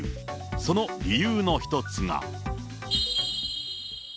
その理由の一つが。